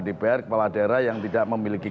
dpr kepala daerah yang tidak memiliki